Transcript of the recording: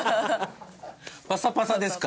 パサパサですか？